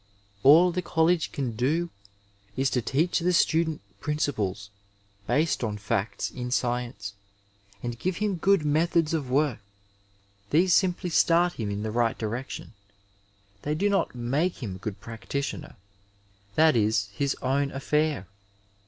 All the college can do is to teach the student principles, based on facts in science, and give him good methods of work. These simply start him in the right direc 297 Digitized by Google CHAUVINISM m MEDICINE tion, they do not make him a good practitioner ^that is his own aSair.